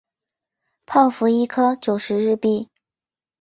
泡芙一颗九十日币